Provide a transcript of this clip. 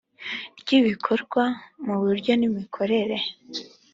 rw ibikorwa mu buryo n imikorere